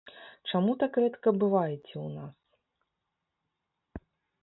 Чаму так рэдка бываеце ў нас?